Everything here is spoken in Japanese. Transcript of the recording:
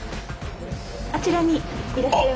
あちらにいらっしゃいます。